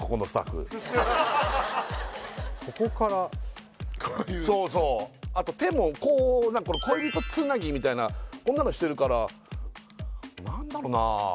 ここからこういうそうそうあと手も恋人つなぎみたいなこんなのしてるから何だろうな？